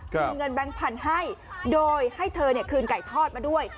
คืนเงินแบงค์พันธุ์ให้โดยให้เธอคืนไก่ทอดมาด้วย